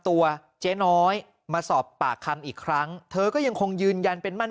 ตัวเจ๊น้อยมาสอบปากคำอีกครั้งเธอก็ยังคงยืนยันเป็นมั่น